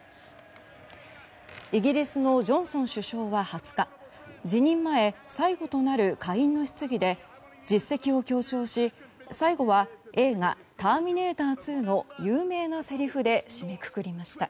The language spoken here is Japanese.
イギリスのジョンソン首相は２０日辞任前最後となる下院の質疑で実績を強調し、最後は映画「ターミネーター２」の有名なせりふで締めくくりました。